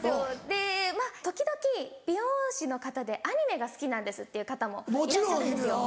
で時々美容師の方でアニメが好きなんですっていう方もいらっしゃるんですよ。